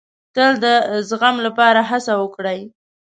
تل د زغم لپاره هڅه وکړئ.